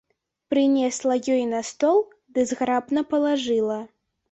Прынесла ёй на стол ды зграбна палажыла.